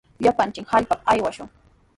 Llapallanchik hallpapa aywashun.